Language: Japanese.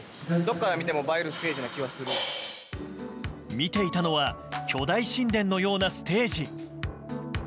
見ていたのは巨大神殿のようなステージ。